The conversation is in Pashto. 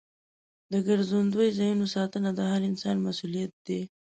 د ګرځندوی ځایونو ساتنه د هر انسان مسؤلیت دی.